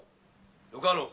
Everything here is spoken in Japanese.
よかろう。